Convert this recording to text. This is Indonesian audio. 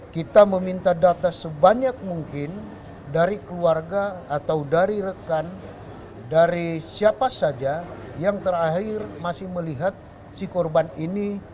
kita meminta data sebanyak mungkin dari keluarga atau dari rekan dari siapa saja yang terakhir masih melihat si korban ini